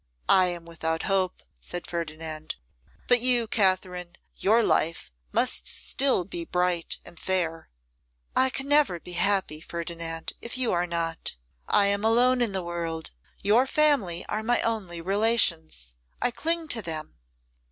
'I am without hope,' said Ferdinand; 'but you, Katherine, your life must still be bright and fair.' 'I can never be happy, Ferdinand, if you are not. I am alone in the world. Your family are my only relations; I cling to them.